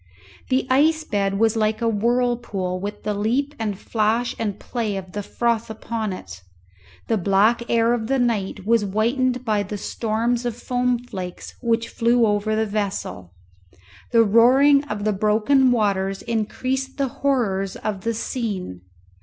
The ice bed was like a whirlpool with the leap and flash and play of the froth upon it. The black air of the night was whitened by the storms of foam flakes which flew over the vessel. The roaring of the broken waters increased the horrors of the scene.